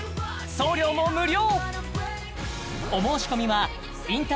送料も無料！